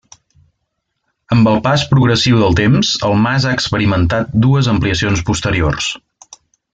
Amb el pas progressiu del temps el mas ha experimentat dues ampliacions posteriors.